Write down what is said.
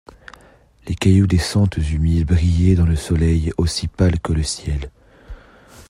Les cailloux des sentes humides brillaient devant le soleil aussi pâle que le ciel.